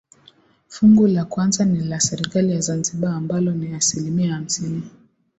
Fungu la kwanza ni la serikali ya zanzibar ambalo ni asilimia hamsini